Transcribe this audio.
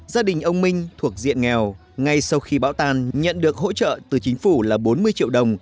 gia đình ông minh thuộc diện nghèo ngay sau khi bão tan nhận được hỗ trợ từ chính phủ là bốn mươi triệu đồng